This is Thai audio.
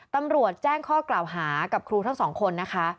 ตำรวจแจ้งข้อกล่าวหากับครูทั้งสองคนนะคะ